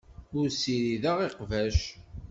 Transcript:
Ur ssirideɣ iqbac.